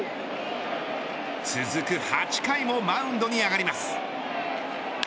続く８回もマウンドに上がります。